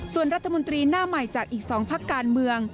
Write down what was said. ส่วนรัฐมนตรีหน้าใหม่จากอีก๒พักการเมือง